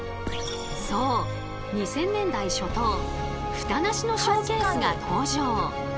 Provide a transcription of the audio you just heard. そう２０００年代初頭フタなしのショーケースが登場。